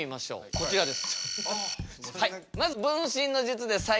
こちらです。